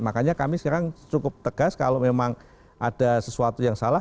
makanya kami sekarang cukup tegas kalau memang ada sesuatu yang salah